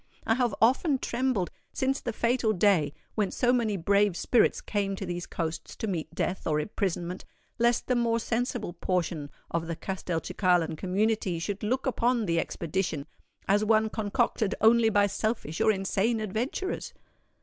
"I have often trembled, since the fatal day when so many brave spirits came to these coasts to meet death or imprisonment, lest the more sensible portion of the Castelcicalan community should look upon the expedition as one concocted only by selfish or insane adventurers."